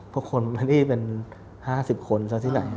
เพราะคนมานี่เป็น๕๐คนซะที่ไหน